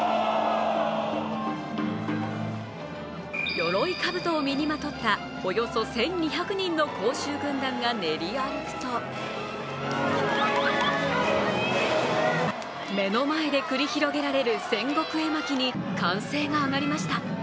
よろいかぶとを身にまとったおよそ１２００人の甲州軍団が練り歩くと目の前で繰り広げられる戦国絵巻に歓声が上がりました。